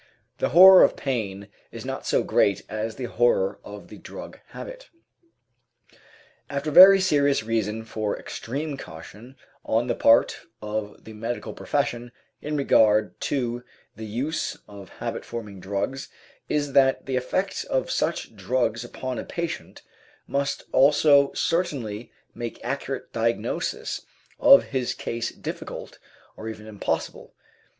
The horror of pain is not so great as the horror of the drug habit. Another very serious reason for extreme caution on the part of the medical profession in regard to the use of habit forming drugs is that the effect of such drugs upon a patient must almost certainly make accurate diagnosis of his case difficult or even impossible.